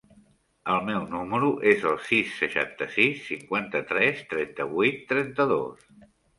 El meu número es el sis, seixanta-sis, cinquanta-tres, trenta-vuit, trenta-dos.